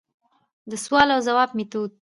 دسوال او ځواب ميتود: